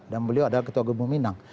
dan beliau adalah ketua gepung minang